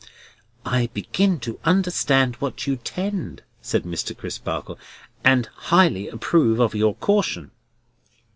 "I begin to understand to what you tend," said Mr. Crisparkle, "and highly approve of your caution."